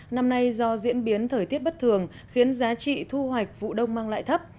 năm nay do diễn biến thời tiết bất thường khiến giá trị thu hoạch vụ đông mang lại thấp